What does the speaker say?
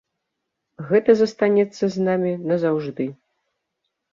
Гэта застанецца з намі назаўжды.